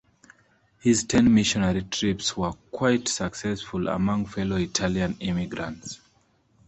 His ten missionary trips were quite successful among fellow Italian immigrants.